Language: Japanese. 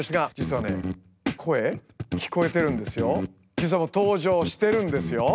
実はもう登場してるんですよ。